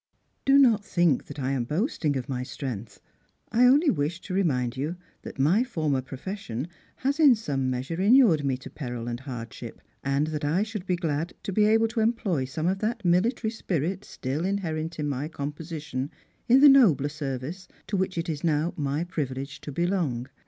Do not think that I am boasting of my strength ; I only wish to remind you that my former pro fession has in some measure inured me to peril and hardship, and that I should be glad to be able to employ some of thai; military spirit still inherent in my composition in the nobler Bervice to which it is now my privilege to belong.